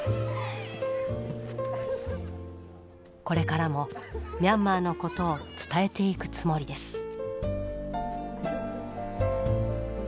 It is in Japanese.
これからもミャンマーのことを伝えていくつもりです。